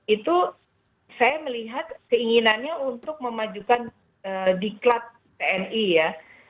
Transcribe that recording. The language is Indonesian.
itu saya melihat keinginannya untuk memajukan diklat tni ya